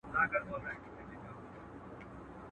ما چي ګولیو ته سینه سپرول.